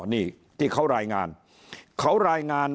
นี่ที่เขารายงาน